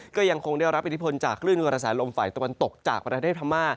ก็ยังคงได้รับอิทธิพลจากคลื่นกระแสลมฝ่ายตะวันตกจากประเทศพม่า